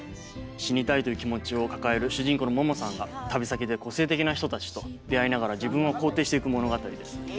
「死にたい」という気持ちを抱える主人公のももさんが旅先で個性的な人たちと出会いながら自分を肯定していく物語です。